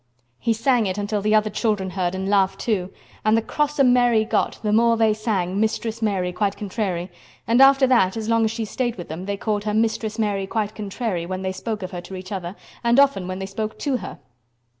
He sang it until the other children heard and laughed, too; and the crosser Mary got, the more they sang "Mistress Mary, quite contrary"; and after that as long as she stayed with them they called her "Mistress Mary Quite Contrary" when they spoke of her to each other, and often when they spoke to her.